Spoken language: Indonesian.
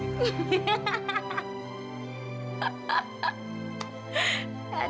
aduh coba aja itu beneran ya